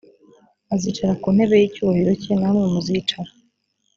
azicara ku ntebe y icyubahiro cye namwe muzicara